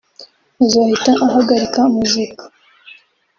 azahita ahagarika muzika